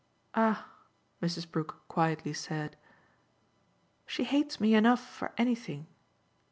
"Ah," Mrs. Brook quietly said, "she hates me enough for anything."